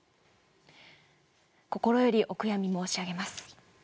心よりお悔やみを申し上げます。